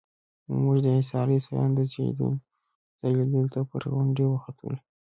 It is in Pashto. موږ د عیسی علیه السلام د زېږېدلو ځای لیدو ته پر غونډۍ وختلو.